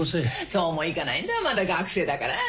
そうもいかないんだあまだ学生だから。